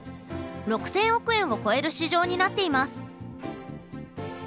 ６千億円を超える市場になっています。